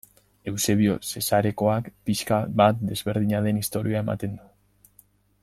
Eusebio Zesareakoak, pixka bat ezberdina den istorioa ematen du.